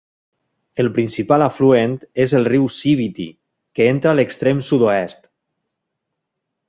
El principal afluent és el riu Sibiti, que entra a l'extrem sud-oest.